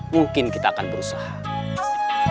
mungkin kita akan berusaha